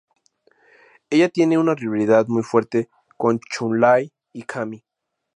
Ella tiene una rivalidad muy fuerte con Chun-Li y Cammy.